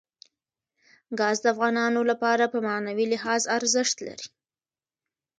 ګاز د افغانانو لپاره په معنوي لحاظ ارزښت لري.